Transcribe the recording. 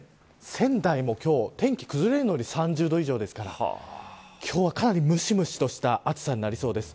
仙台も今日、天気崩れるのに３０度以上ですから今日は、かなりむしむしとした暑さになりそうです。